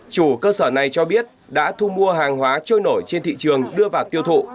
chủ cơ sở này cho biết đã thu mua hàng hóa trôi nổi trên thị trường đưa vào tiêu thụ